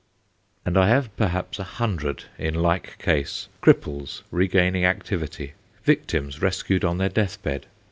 And I have perhaps a hundred in like case, cripples regaining activity, victims rescued on their death bed.